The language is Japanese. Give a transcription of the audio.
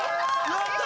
やった！